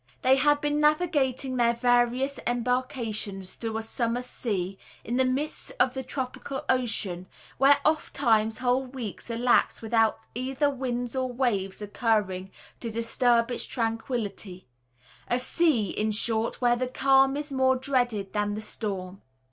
They had been navigating their various embarkations through a "summer sea," in the midst of the tropical ocean, where ofttimes whole weeks elapse without either winds or waves occurring to disturb its tranquillity, a sea, in short, where the "calm" is more dreaded than the "storm."